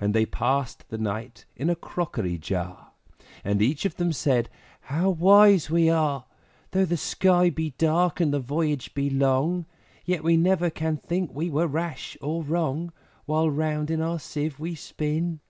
And they passed the night in a crockery jar, And each of them said, `How wise we are! Though the sky be dark, and the voyage be long, Yet we never can think we were rash or wrong, While round in our Sieve we spin!'